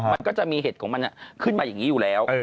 มันก็จะมีเห็ดของมันขึ้นมาอย่างนี้อยู่แล้ว